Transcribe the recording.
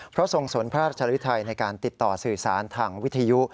เพราะทรงสนพระราชฤทัยในการติดต่อสื่อสารทางวิทยุ